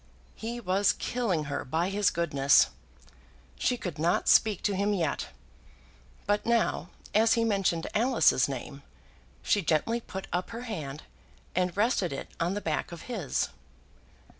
He was killing her by his goodness. She could not speak to him yet; but now, as he mentioned Alice's name, she gently put up her hand and rested it on the back of his.